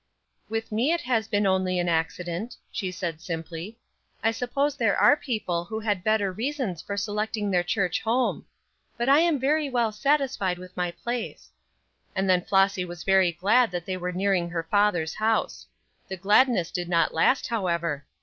"With me it has been only an accident," she said, simply. "I suppose there are people who had better reasons for selecting their church home. But I am very well satisfied with my place." And then Flossy was very glad that they were nearing her father's house. The gladness did not last, however.